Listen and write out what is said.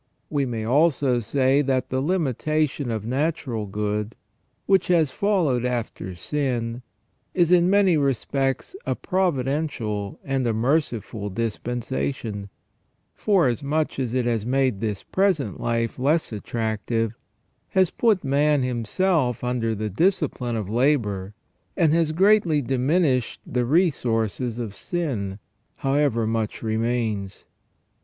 We may also say that the limitation of natural good which has followed after sin is in many respects a providential and a merciful dis pensation, forasmuch as it has made this present life less attractive, has put man himself under the discipline of labour, and has greatly diminished the resources of sin, however much remains.